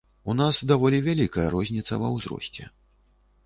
У нас даволі вялікая розніца ва ўзросце.